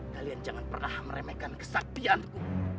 kalian jangan pernah meremehkan kesaktianku